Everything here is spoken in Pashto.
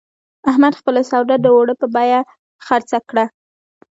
احمد خپله سودا د اور په بیه خرڅه کړه.